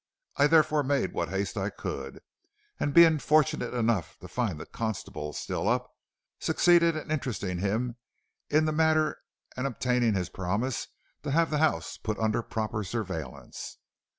I therefore made what haste I could, and being fortunate enough to find the constable still up, succeeded in interesting him in the matter and obtaining his promise to have the house put under proper surveillance.